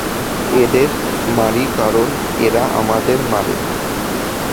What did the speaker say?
ওদের মারি কারণ ওরা আমাদের মারে।